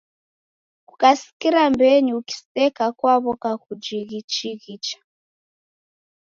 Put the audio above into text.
Kukasikira mbenyu ukiseka kwaw'oka kuchighichika!